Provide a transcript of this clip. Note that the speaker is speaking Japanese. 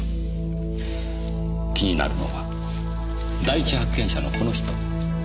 気になるのは第一発見者のこの人。